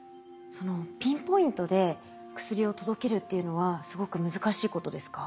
ピンポイントで薬を届けるっていうのはすごく難しいことですか？